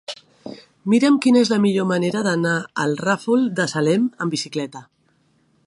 Mira'm quina és la millor manera d'anar al Ràfol de Salem amb bicicleta.